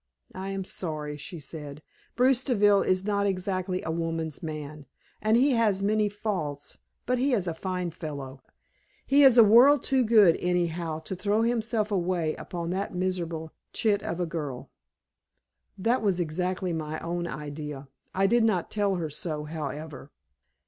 "I am sorry," she said. "Bruce Deville is not exactly a woman's man, and he has many faults, but he is a fine fellow. He is a world too good anyhow to throw himself away upon that miserable chit of a girl." That was exactly my own idea. I did not tell her so, however.